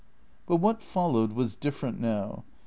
But what followed was different now.